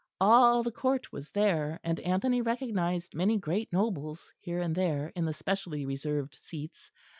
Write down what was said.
All the Court was there; and Anthony recognised many great nobles here and there in the specially reserved seats.